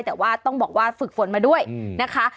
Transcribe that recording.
แต่ว่าต้องบอกว่าฝึกฝนมาด้วยนะคะ